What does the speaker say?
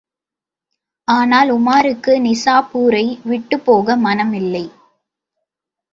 ஆனால், உமாருக்கு நிசாப்பூரை விட்டுப்போக மனமில்லை.